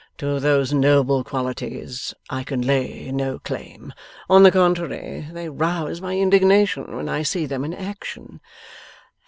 To those noble qualities I can lay no claim. On the contrary, they rouse my indignation when I see them in action.